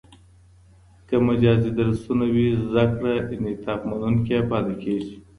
که مجازي درسونه وي، زده کړه انعطاف منونکې پاته کېږي.